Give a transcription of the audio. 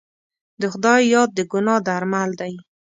د خدای یاد د ګناه درمل دی.